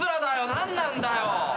何なんだよ。